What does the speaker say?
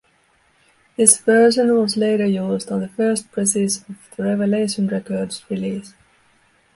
This version was later used on the first presses of the Revelation Records release.